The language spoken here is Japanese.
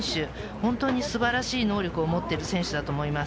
本当に素晴らしい能力を持っている選手だと思います。